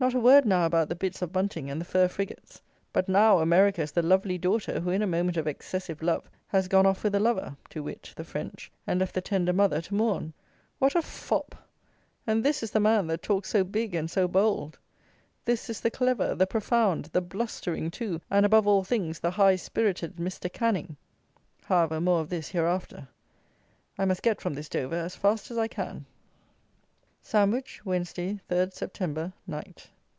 Not a word now about the bits of bunting and the fir frigates; but now, America is the lovely daughter, who, in a moment of excessive love, has gone off with a lover (to wit, the French) and left the tender mother to mourn! What a fop! And this is the man that talked so big and so bold. This is the clever, the profound, the blustering, too, and, above all things, "the high spirited" Mr. Canning. However, more of this, hereafter. I must get from this Dover, as fast as I can. _Sandwich, Wednesday, 3rd Sept. Night.